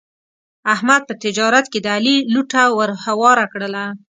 احمد په تجارت کې د علي لوټه ور هواره کړله.